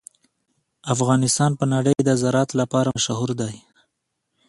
افغانستان په نړۍ کې د زراعت لپاره مشهور دی.